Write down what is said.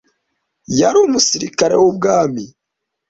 yari umusirikare wubwami